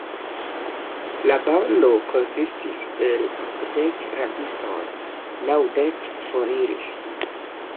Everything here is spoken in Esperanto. La bando konsistis el okdek rabistoj; naŭdek foriris!